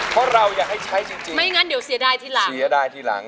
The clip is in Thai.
เพราะเราอยากให้ใช้จริงจริงไม่งั้นเดี๋ยวเสียดายทีหลัง